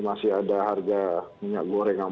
masih ada harga minyak goreng yang